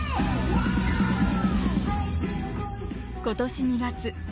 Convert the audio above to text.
今年２月。